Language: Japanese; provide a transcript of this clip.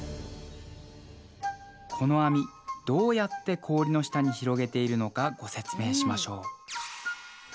この網どうやって氷の下に広げているのかご説明しましょう。